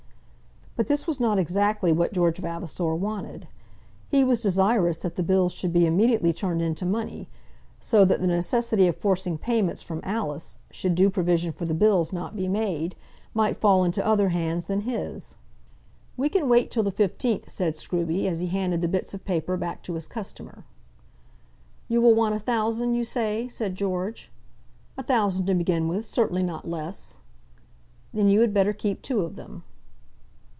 But this was not exactly what George Vavasor wanted. He was desirous that the bills should be immediately turned into money, so that the necessity of forcing payments from Alice, should due provision for the bills not be made, might fall into other hands than his. "We can wait till the 15th," said Scruby, as he handed the bits of paper back to his customer. "You will want a thousand, you say?" said George. "A thousand to begin with. Certainly not less." "Then you had better keep two of them."